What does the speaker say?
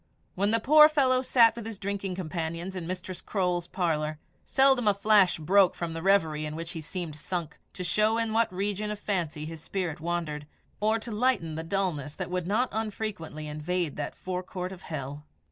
When the poor fellow sat with his drinking companions in Mistress Croale's parlour, seldom a flash broke from the reverie in which he seemed sunk, to show in what region of fancy his spirit wandered, or to lighten the dulness that would not unfrequently invade that forecourt of hell.